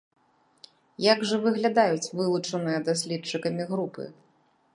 Як жа выглядаюць вылучаныя даследчыкамі групы?